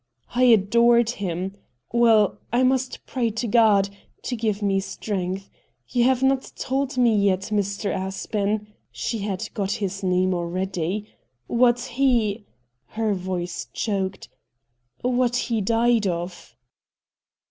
' I adored him. Well, I must pray to God to give me strength. You have not told me yet, Mr. Aspen '— she had got his name already —' what he '— her voice choked —' what he died of.'